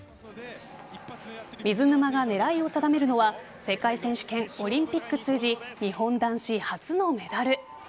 水沼が狙いを定めるのは世界選手権オリンピックに通じ日本男子初のメダル。